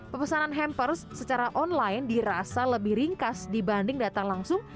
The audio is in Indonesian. pemesanan hampers secara online dirasa lebih ringkas dibanding datang langsung